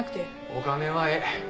お金はええ。